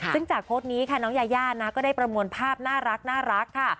ซึ่งจากโพสต์นี้ค่ะน้องยายานะก็ได้ประมวลภาพน่ารักค่ะ